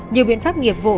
nhiều biện pháp nghiệp vụ